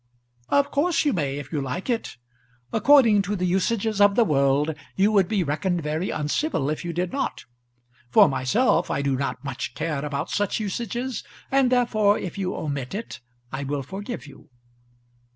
"Of course you may if you like it. According to the usages of the world you would be reckoned very uncivil if you did not. For myself I do not much care about such usages, and therefore if you omit it I will forgive you."